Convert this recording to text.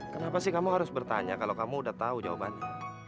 kenapa sih kamu harus bertanya kalau kamu udah tahu jawabannya